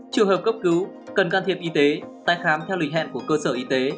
trường hợp cấp cứu cần can thiệp y tế tái khám theo lịch hẹn của cơ sở y tế